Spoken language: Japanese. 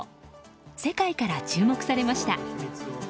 世界から注目されました。